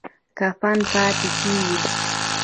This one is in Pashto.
کفر پاتی کیږي؟